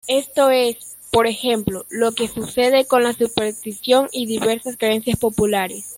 Esto es, por ejemplo, lo que sucede con la superstición y diversas creencias populares.